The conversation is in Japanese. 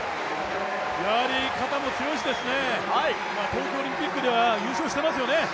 やはり肩も強いし東京オリンピックでは優勝していますよね。